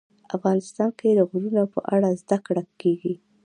افغانستان کې د غرونه په اړه زده کړه کېږي.